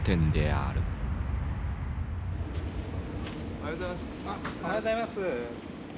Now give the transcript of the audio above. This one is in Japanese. あおはようございます。